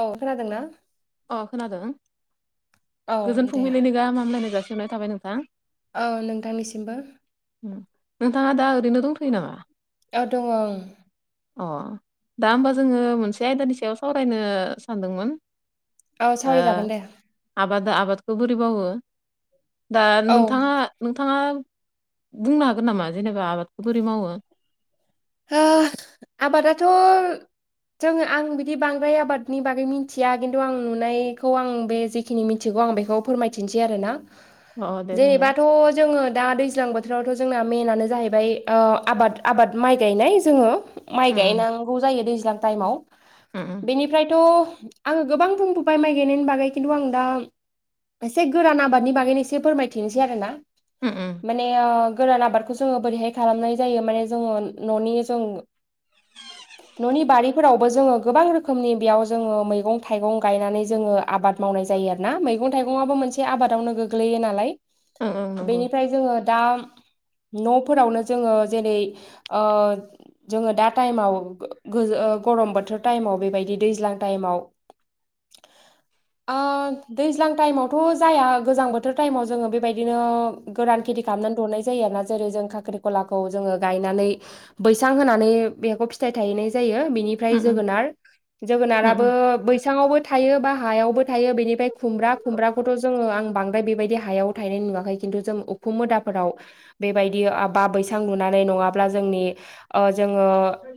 औ खोनादोंना अ खोनादों औ गोजोन दे फुंबिलिनि गाहाम हामलायनाय जासिहरनाय थाबाय नोंथां औ नोंथांनिसिमबो नोंथाङा दा ओरैनो दंथयो नामा? औ दङं ओं अ दा होमबा जोङो मोनसे आयदानि सायाव सावरायनो सानदोंमोन औ सावरायजागोन दे आबाद आबादखौ बोरै मावो दा औ ओ नोंथाङा नोंथाङा बुंनो हागोन नामा जेनेबा आबादखौ बोरै मावो आबादाथ जोङो आं बिदि बांद्राय आबादनि बागै मिथिया खिन्थु आं नुनायखौ आं बे खिनि मिथिगौ आं बेखौ फोरमायथिनोसै आरोना अ दे बुंनाय जेनेबाथ जोङो दा दै दैज्लां बोथोरावथ' जोंना मेनानो जाहैबाय ओ आबाद आबाद माइ गायनाय जोङो माइ उम गायनांगौ जायो दैज्लां टाइमाव उम बेनिफ्रायथ' आङो गोबां बुंबोबाय माइ गायनायनि बागै खिन्थु आं दा एसे गोरान आबादनि बागैनो एसे फोरमायथिनोसै आरो ना उम उम माने गोरान आबादखौ जोङो बोरैहाय खालामनाय जायो माने जोङो ननि जो [inaudible] न'नि बारिफोरावबो जोङो गोबां रोखोमनि बेयाव जोङो मैगं थाइगं गायनानै जोङो आबाद मावनाय जायो आरो ना मैगं थाइगंआबो मोनसे आबादावनो गोग्लैयो नालाय ओं ओं नंगौ बेनिफ्राय जोङो दा न'फोरावनो जोङो जेरै ओ जोङो दा टाइमाव गो गरम बोथोर टाइमाव बेबायदि दैज्लां टाइमाव [inaudible] ओ दैज्लां टाइमावथ' जाया गोजां बोथोर टाइमाव जोङो बेबायदिनो गोरान खेथि खालामनानै दौनाय जायो आरोना जेरै जों खाख्रिखलाखौ जोङो गायनानै बैसां होनानै बेखौ फिथाइ थाहैनाय जायो बिनि फ्राय उम उम जोगोनार उम जोगोनाराबो उम बैसाङावबो थायो बा हायावबो थायो बेनिफ्राय खुमब्रा खुमब्राखौथ' जोङो आं बांद्राय बेबायदि हायाव थायनाय नुवाखै खिन्थु जों उखु मोदाफोराव बेबायदि आब बा बैसां लुनानै नङाब्ला जोंनि ओ जोंगो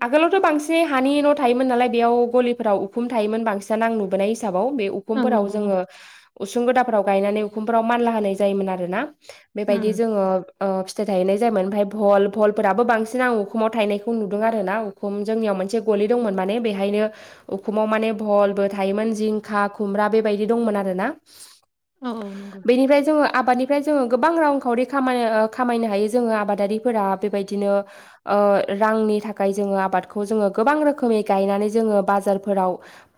आगोलावथ' बांसिन एसे हानि न' थायोमोन नालाय बेयाव गलिफोराव उखुम थायोमोन बांसिन नां नुबोनाय हिसाबाव बे ओं उखुमफोराव नंगौ ओं जोङो उसुं गोदाफोराव गायनानै उखुमफोराव मानला होनाय जायोमोन आरो ना। बेबायदि उम जोङो ओ फिथाइ थाहैनाय जायोमोन ओमफ्राय भल भलफोराबो बांसिन औ उखुमाव थायनायखौ नुदों आर ना उखुम जोंनियाव मोनसे गलि दंमोन माने बेहायनो उखुमाव माने भहलबो थायोमोन जिंखा खुमब्रा बेबायदि दंमोन आरो ना उम औ औ नंगौ बेनिफ्राय जोङो आबादनिफ्राय जोङो गोबां रांखावरि खाम खामायनो हायो जोङो आबादारिफोरा बेबायदिनो ओ रांनि थाखाय जोङो आबादखौ जोङो गोबां रोखोमै गायनानै जोङो बाजारफोराव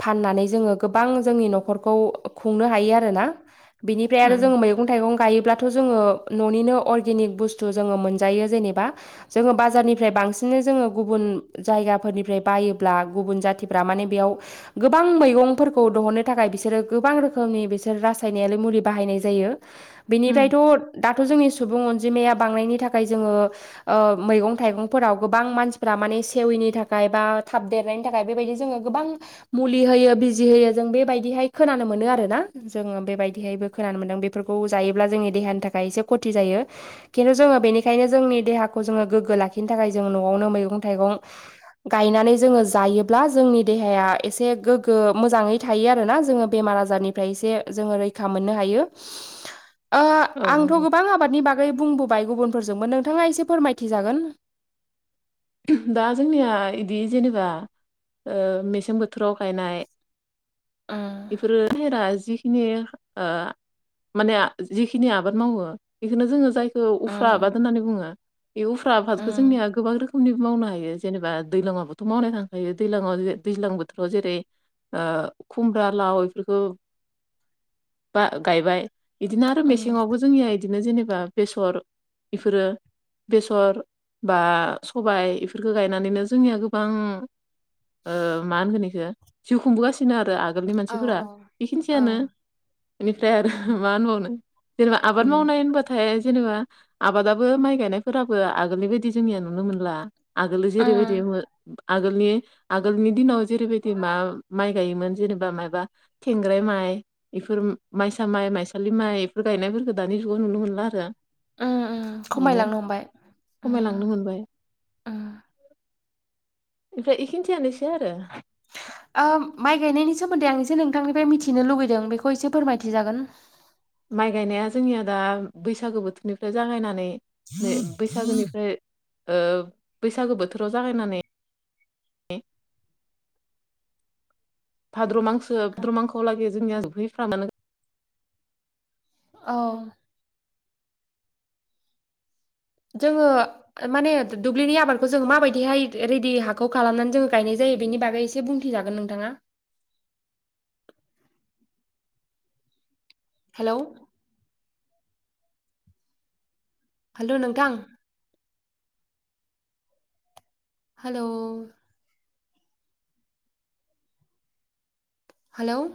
फाननानै जोङो गोबां जोंनि न'खरखौ खुंनो हायो आरोना बिनिफ्राय उम आरो जोङो मैगं मैगं थाइगं गायोब्लाथ' जोङो न'निनो अरगेनिक बुस्थु जोङो मोनजायो जेनेबा जोङो बाजारनिफ्राय बांसिन जोङो गुबुन जायगाफोरनिफ्राय बायोब्ला गुबुन जाथिफ्रा माने बेयाव गोबां मैगंफोरखौ दिहुननो थाखाय बिसोरो गोबां रोखोमनि बिसोर रासायनारि मुलि बाहायनाय जायो उम बिनिफ्रायथ' दाथ' जोंनि सुबुं अनजिमाया बांनायनि थाखाय जोङो ओ मैगं थाइगंफोराव गोबां मानसिफ माने सेवैनि थाखाय बा थाब देरनायनि थाखाय बेबायदि जोङो गोबां मुलि होयो बिजि होयो जों बेबायदिहाय खोनानो मोनो आरो ना। जोङो बेबायदिहायबो खोनानो मोन्दों बेफोरखौ जायोब्ला जोंनि देहानि थाखाय एसे खथि जायो। खिन्थु जोङो बेनिखायनो जोंनि देहाखौ जोङो गोग्गो लाखिनो थाखाय जों न'आवनो मैगं थाइगं गायनानै जोङो जायोब्ला जोंनि देहाया एसे गोग्गो मोजाङै थायो आरोना जोङो बेमार आजारनिफ्राय एसे जोङो रैखा मोननो हायो‌। [inaudible] ओ औ आंथ' नंगौ गोबां आबादनि बागै बुंबोबाय गुबुनफोरजोंमोन नोंथाङा एसे फोरमायथिजागोन दा जोंनिया बिदि जेनेबा ओ मेसें बोथोराव गायनाय उम बेफोरो [unintelligible] जिखिनि ओ माने जिेखिनि आबाद मावो बेखौनो जोङो जायो औ उफ्रा उम आबाद होननानै बुङो बे उफ्रा आबादखौ उम जोंनिया गोबां रोखोमै मावनो हायो जेनेबा दैलांवावबोथ' मावनाय थांखायो दैङाव दै्लां बोथोराव जेरै ओ खुमब्रा लाव बेफोरखौ बा गायबाय बिदिनो आरो उम मेसेंङावबो जोंनिया बिदिनो जेनेबा बेसर, बेफोरो बेसर बा सबाय इफोरखौ गायनानैनो जोंनिया गोबां ओ मा होनगोन बेखौ जिउ खुंबोगासिनो आरो आगोलनि औ मानसिफोरा औ बेखिनिसैयानो। बेनिफ्राय आरो उम मा होनबावनो। जेनेबा आबाद उम मावनाय होनबा नाथाय जेनेबा आबादाबो माइ गायनायफोराबो आगोलनि बायदि जोंनिया नुनो मोनला आगोलो जेरैबायदि उम आगोलनि, आगोलनि दिनाव जेरै बायदि मा माइ गायोमोन जेनेबा माबा थेंग्राय माइ, बेफोर माइसा माइ, माइसालि माइ बेफोर गायनायफोरखौ दानि जुगाव नुनो मोनला आरो। ओ ओ बेनो खमायलांनो हमबाय। उम खमायलांनो मोनबाय। उम ओमफ्राय बेखिनियानोसै आरो। ओ माइ गायनायनि सोमोन्दै आं एसे नोंथांनिफ्राय मिथिनो लुुबैदों बेखौ एसे फोरमायथि जागोन? माइ गायनाया जोंनिया दा, बैसागो बोथोरनिफ्राय जागायनानै नै बैसागोनिफ्राय ओ बैसागो बोथोराव जागायनानै भाद्र' मांखो, भाद्रमांखोलागि जोंनिया जहैफ्रा मानो। औ जोंङो ओ माने, दुब्लिनि आबादखौ जोंङो माबायदिहाय रेडि हाखौ खालामनानै जोंङो गायनाय जायो बेनि बागै एसे बुंथिजागोन नोंथांङा? हेल'- हेल' नोंथां? हेल'- - हे लोव?